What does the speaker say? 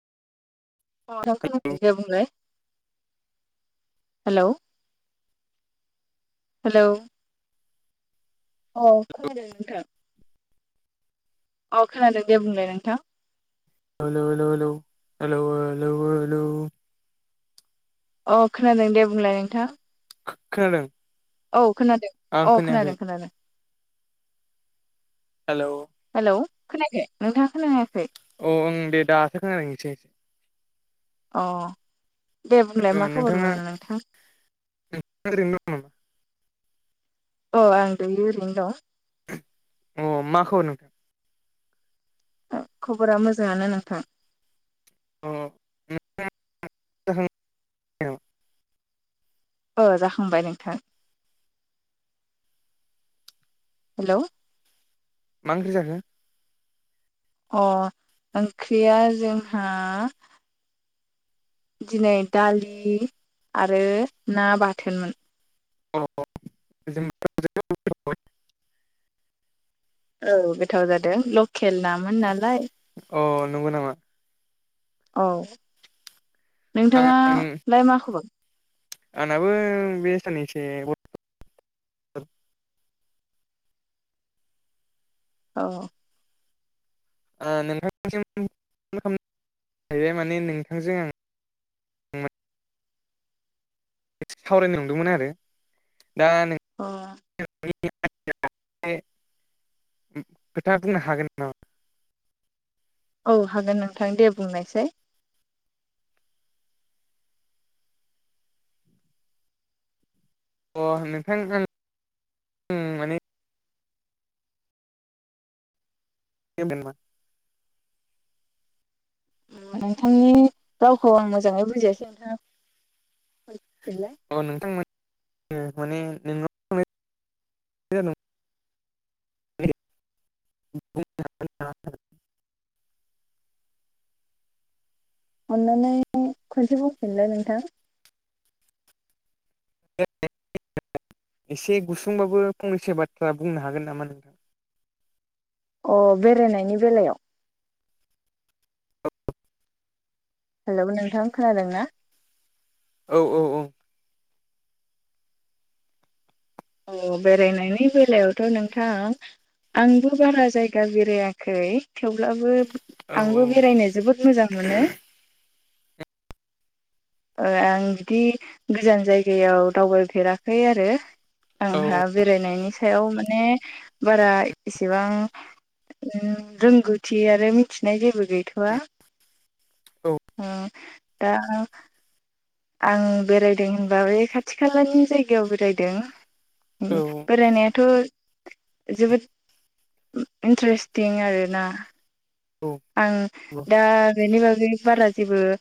अ थां हेलौ खोनादों दे बुंलाय हेल। हेलौ अ खोनायादों नोंथां। औ खोनादों दे बुंलाय नोंथां। ह ल ल ल हेल हेल ह ल अ खोनादों दे बुंलाय नोंथाङा खोनादों? औ खोनादों, आं औ खोनायाखै खोनादों खोनादों हेल' हेलौ खोनायाखो नोंथाङा खोनायाखै औ ओं दे दासो खोनादों एसे अ दे बुंलाय मा खबर नोंथाङा मोन नोंथां नोंथाङा ओरैनो दंयो अ आं दायो ओरैनो दं अ मा खबर नोंथां खबरा मोजाङानो नोंथां अ [unintelligible] अ जाखांबाय नोंथां। हेल' मा ओंख्रि जाखो? अ ओंख्रिया जोंहा दिनै दालि आरो ना बाथोनमोन। अ जों [unintelligible] औ गोथाव जादों लकेल नामोन नालाय अ नंगौ नामा? औ आं नोंथाङालाय मा खबर? आंनाबो बे सानसै औ नोंथांसिम खालाम जैबाय माने नोंथांजों आं [unintelligible] एसे सावरायनो नंदोंमोन आरो दा न अ खोथा बुंनो हागोन नामा [unintelligible] औ हागोन नोंथां दे बुंनोसै अ नोंथां आं माने थबेना [inaudible] नोंथांनि रावखौ आं मोजाङै बुजिसै नोंथां औ नोंथां माने नोंनाव जादों [unintelligible] [unintelligible] अननानै खनसे बुंफिनलाय नोंथां एसे गुसुंबाबो फंनैसो बाथ्रा बुंनो हागोन नामा नोंथां? अ बेरायनायनि बेलायाव हेल' नोंथां खोनादों ना? औ औ अ बेरायनायनि बेलायावथ' नोंथां आंबो बारा जायगा बेरायाखै थेवब्लाबो औ आंबो बेरायनो जोबोद मोजां मोनो। ओ आं बिदि गोजान जायगायाव दावबायफेराखै आरो औ आंहा बेरायनायनि सायाव माने बारा इसेबां रोंगौथि आरो मिथिनाय जेबो गैथ'आ ओ दा आं बेरायदों होनबा बे खाथि खालानि जायगायाव बेरायदों। औ उम बेरायनाया थ' जोबोद इन्टारेस्टिं आरोना आं औ दा बेनि बागै बारा जेबो